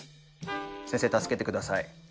先生助けて下さい。